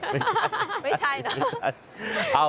ไม่ใช่